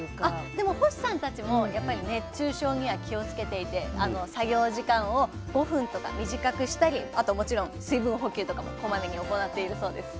でも星さんたちも熱中症には気をつけていて作業時間を５分とか短くしたりあともちろん水分補給とかもこまめに行っているそうです。